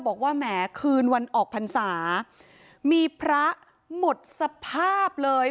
แหมคืนวันออกพรรษามีพระหมดสภาพเลย